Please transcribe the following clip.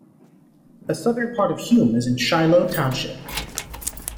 A southern part of Hume is in Shiloh Township.